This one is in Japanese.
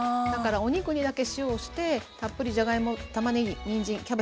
だからお肉にだけ塩をしてたっぷりじゃがいもたまねぎにんじん